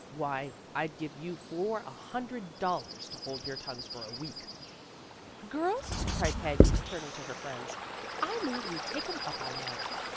"Why, I'd give you four a hundred dollars to hold your tongues for a week. '' "Girls," cried Peggy turning to her friends, "I move we take him up on that."